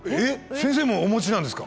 先生もお持ちなんですか？